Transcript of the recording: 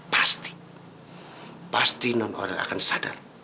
pasti nenek aurel akan sadar